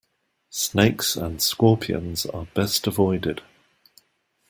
Snakes and scorpions are best avoided.